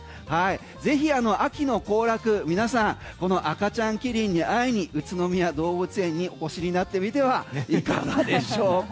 ぜひ、秋の行楽、皆さんこの赤ちゃんキリンに会いに宇都宮動物園にお越しになってみてはいかがでしょうか？